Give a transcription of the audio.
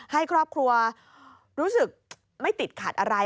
ให้ครอบครัวรู้สึกไม่ติดขัดอะไร